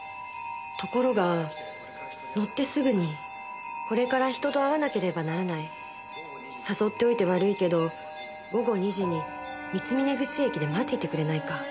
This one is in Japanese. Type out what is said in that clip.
ところが乗ってすぐに「これから人と会わなければならない」「誘っておいて悪いけど午後２時に三峰口駅で待っていてくれないか」